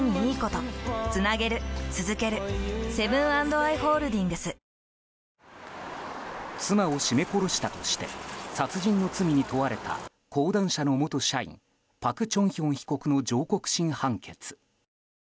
東京海上日動あんしん生命妻を絞め殺したとして殺人の罪に問われた講談社の元社員パク・チョンヒョン被告の上告審判決。